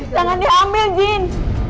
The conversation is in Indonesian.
jangan diambil jin